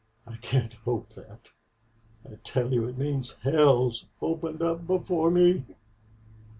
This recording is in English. "I can't hope that... I tell you it means hell's opened up before me."